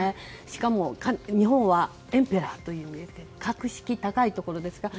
しかも日本はエンペラーという格式高いところですから。